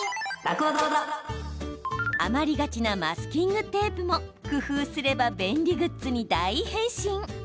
余りがちなマスキングテープも工夫すれば便利グッズに大変身。